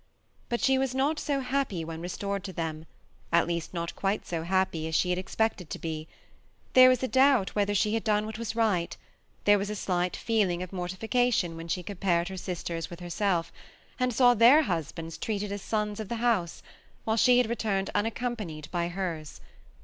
But she was not so happy when restored to them, at least not quite so happy as she had expected to be : there was a doubt whether she Had done what was right ; there was a slight feeling of mortification when she compared her sisters with herself, and saw their husbands treated as sons of the house, while she had returned unaccompanied by hers.